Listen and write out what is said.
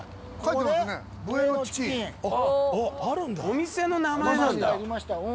お店の名前なんだ。